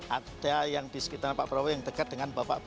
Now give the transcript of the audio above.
ada yang di sekitar pak prabowo yang dekat dengan bapak prabowo